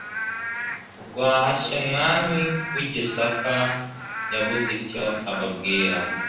Rwahashya umwami w'i Gisaka yabuze icyo ababwira